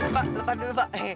pak depan dulu pak